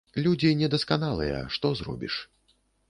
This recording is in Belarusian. Людзі недасканалыя, што зробіш.